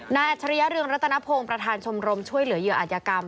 อัจฉริยะเรืองรัตนพงศ์ประธานชมรมช่วยเหลือเหยื่ออัธยกรรม